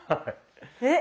えっ！